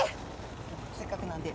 せっかくなんで。